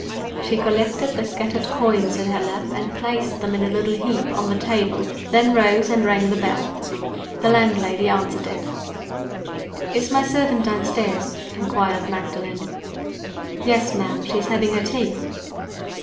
She collected the scattered coins in her lap, and placed them in a little heap on the table, then rose and rang the bell. The landlady answered it. "Is my servant downstairs?" inquired Magdalen. "Yes, ma'am. She is having her tea."